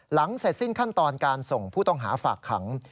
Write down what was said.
หลังเสร็จสิ้นขั้นตอนการส่งผู้ต้องหาฝากขัง